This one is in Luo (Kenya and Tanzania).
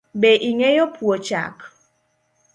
Be ing’eyo puo chak?